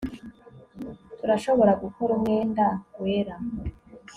Turashobora gukora umwenda wera